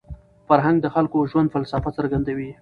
فرهنګ د خلکو د ژوند فلسفه څرګندوي.